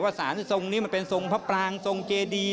ว่าศาลที่ทรงนี้มันเป็นศรงพะปรางศรงเจดี